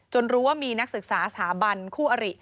รู้ว่ามีนักศึกษาสถาบันคู่อริ